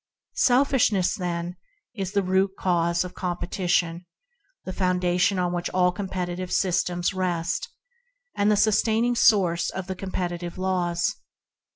Selfishness, then, is the root cause of competition, the foundation on which all competitive systems rest, and the sustaining source of the competitive laws.